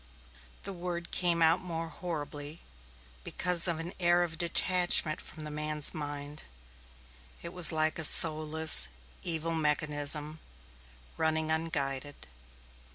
The word came more horribly because of an air of detachment from the man's mind. It was like a soulless, evil mechanism, running unguided.